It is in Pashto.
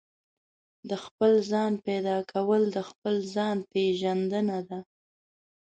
د خپل ځان پيدا کول د خپل ځان پېژندنه ده.